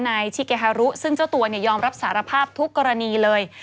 นายชิเกฮารุซึ่งเจ้าตัวยอมรับสารภาพทุกกรณีเลย